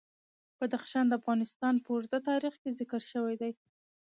بدخشان د افغانستان په اوږده تاریخ کې ذکر شوی دی.